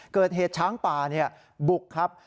เกิดเหตุช้างปลาเนี่ยบุกครับ